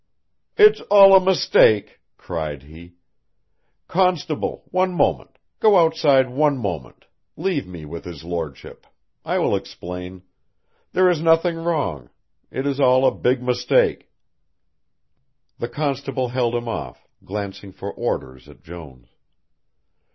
"It is all a mistake," cried he, "constable, one moment, go outside one moment, leave me with his lordship. I will explain. There is nothing wrong, it is all a big mistake." The constable held him off, glancing for orders at Jones.